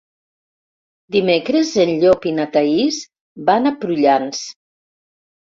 Dimecres en Llop i na Thaís van a Prullans.